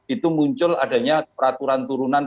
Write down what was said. itu muncul adanya peraturan turunan